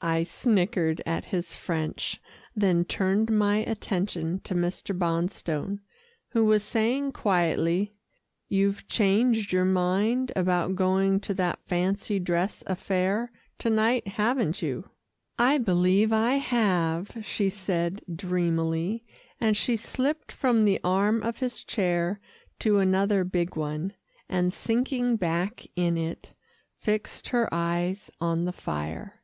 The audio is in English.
I snickered at his French, then turned my attention to Mr. Bonstone who was saying quietly, "You've changed your mind about going to that fancy dress affair to night, haven't you?" "I believe I have," she said dreamily, and she slipped from the arm of his chair to another big one, and sinking back in it, fixed her eyes on the fire.